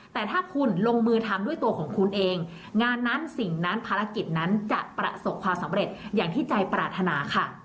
แต่ถ้าคุณลงมือทำด้วยตัวของคุณเองงานนั้นสิ่งนั้นภารกิจนั้นจะประสบความสำเร็จอย่างที่ใจปรารถนาค่ะ